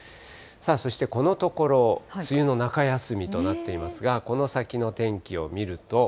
そしてこのところ、梅雨の中休みとなっていますが、この先の天気を見ると。